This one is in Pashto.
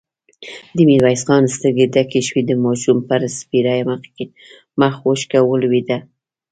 د ميرويس خان سترګې ډکې شوې، د ماشوم پر سپېره مخ اوښکه ولوېده.